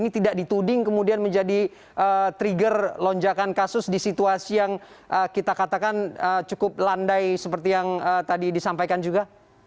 ini tidak dituding kemudian menjadi trigger lonjakan kasus di situasi yang kita katakan cukup landai seperti yang tadi disampaikan juga